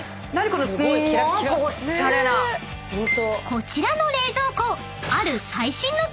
［こちらの冷蔵庫］